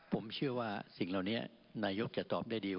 ผมเชื่อว่าสิ่งเหล่านี้นายกกกืนยกจะตอบได้ดีกว่า